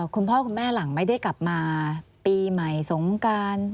คุณพ่อคุณแม่หลังไม่ได้กลับมาปีใหม่สงการ